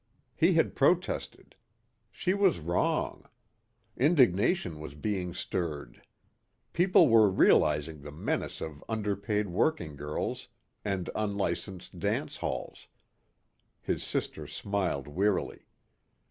He had protested. She was wrong. Indignation was being stirred. People were realizing the menace of underpaid working girls and unlicensed dance halls. His sister smiled wearily.